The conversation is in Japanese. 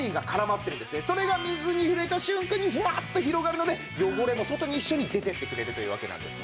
それが水に触れた瞬間にぶわっと広がるので汚れも外に一緒に出てってくれるというわけなんですよ。